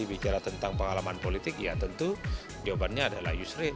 bicara tentang pengalaman politik ya tentu jawabannya adalah yusri